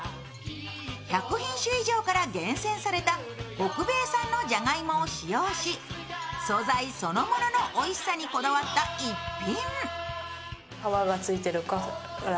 １００品種以上から厳選された北米産のじゃがいもを使用し、素材そのもののおいしさにこだわった逸品。